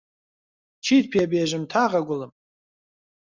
چیت پێ بێژم تاقە گوڵم